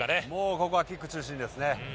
ここはキック中心ですね。